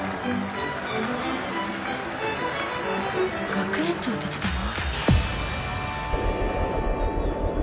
学園長たちだわ。